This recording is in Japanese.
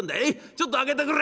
ちょっと開けてくれ」。